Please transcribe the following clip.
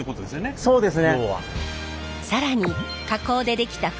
そうですね。